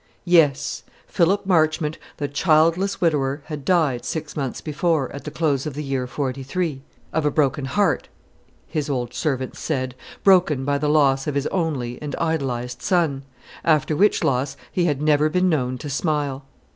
Yes; Philip Marchmont, the childless widower, had died six months before, at the close of the year '43, of a broken heart, his old servants said, broken by the loss of his only and idolised son; after which loss he had never been known to smile.